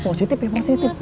positif ya positif